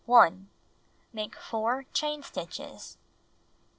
Make 4 chain stitches.